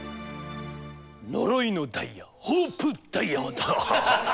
呪いのダイヤホープダイヤモンド。